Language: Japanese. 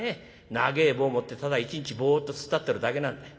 長え棒持ってただ一日ぼっと突っ立ってるだけなんだよ。